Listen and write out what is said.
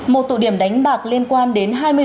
một tụ điểm đánh bạc liên quan đến hai vấn đề